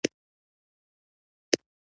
د بوسو انبار وخوځېد او جوزف ترې راووت